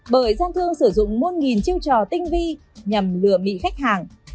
bởi gian thương sử dụng muôn nghìn chiêu trò tinh vi nhằm lừa bị khách hàng